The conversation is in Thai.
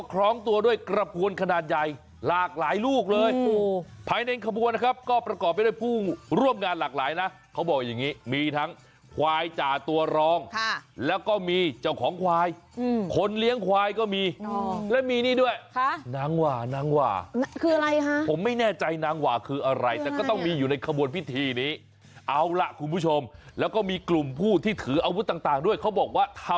ก็ประกอบไปด้วยผู้ร่วมงานหลากหลายนะเขาบอกอย่างนี้มีทั้งควายจ่าตัวรองแล้วก็มีเจ้าของควายคนเลี้ยงควายก็มีแล้วมีนี่ด้วยค่ะนางหว่านางหว่าคืออะไรฮะผมไม่แน่ใจนางหว่าคืออะไรแต่ก็ต้องมีอยู่ในขบวนพิธีนี้เอาล่ะคุณผู้ชมแล้วก็มีกลุ่มผู้ที่ถืออาวุธต่างต่างด้วยเขาบอกว่าทํ